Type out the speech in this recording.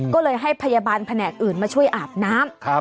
ก็เลยให้พยาบาลแผนกอื่นมาช่วยอาบน้ำ